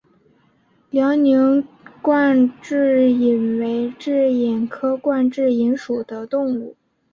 辽宁冠蛭蚓为蛭蚓科冠蛭蚓属的动物。